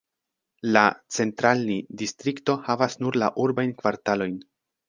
La "Centralnij"-distrikto havas nur la urbajn kvartalojn.